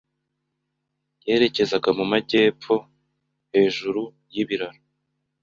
Yerekezaga mu majyepfo hejuru y'ibiraro